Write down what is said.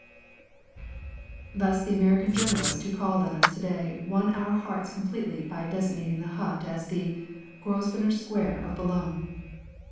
"_ Thus the American journalist who called on us to day won our hearts completely by designating the hut as the "Grosvenor Square of Boulogne."